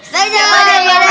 saya jawab adek